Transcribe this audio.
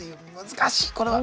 難しい。